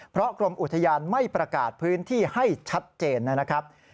เพราะกรมอุทยานไม่ประกาศพื้นที่ให้ชัดเจนนะครับ